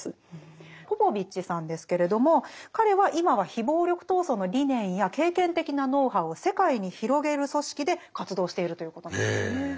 ポポヴィッチさんですけれども彼は今は非暴力闘争の理念や経験的なノウハウを世界に広げる組織で活動しているということなんですね。へ。